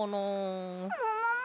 ももも！？